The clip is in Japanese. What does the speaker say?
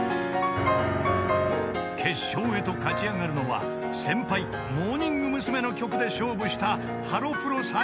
［決勝へと勝ちあがるのは先輩モーニング娘。の曲で勝負したハロプロ最強のピアニストか？］